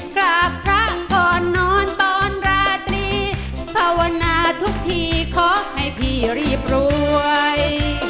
กราบพระก่อนนอนตอนราตรีภาวนาทุกทีขอให้พี่รีบรวย